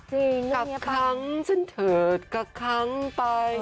จริงเรื่องนี้แปลว่ากักคังฉันเถิดกักคังไป